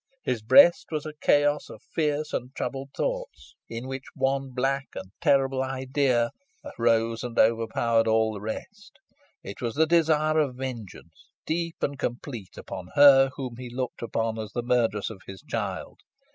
His breast was a chaos of fierce and troubled thoughts, in which one black and terrible idea arose and overpowered all the rest. It was the desire of vengeance, deep and complete, upon her whom he looked upon as the murderess of his child.